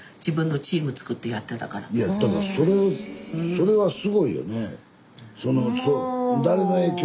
それはすごいよね。